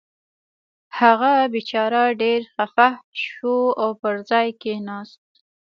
هغه بېچاره ډېر خفه شو او پر ځای کېناست.